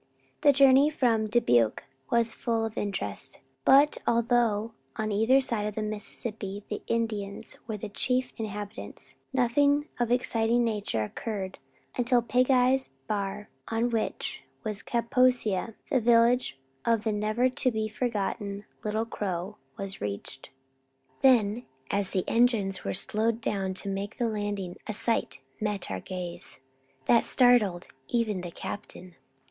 The journey from Dubuque up was full of interest, but although on either side of the Mississippi the Indians were the chief inhabitants, nothing of exciting nature occurred until Pigseye Bar on which was Kaposia, the village of the never to be forgotten Little Crow was reached. Then as the engines were slowed down to make the landing a sight met our gaze that startled even the captain.